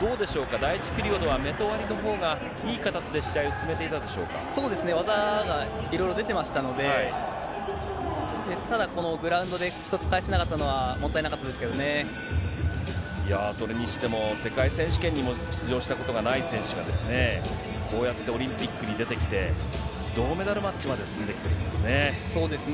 第１ピリオドはメトワリのほうがいい形で試合を進めていたでしょそうですね、技がいろいろでてましたので、ただ、このグラウンドで１つ返せなかったのは、もったいなかったですけいやー、それにしても世界選手権にも出場したことがない選手がですね、こうやってオリンピックに出てきて、銅メダルマッチまで進んできそうですね、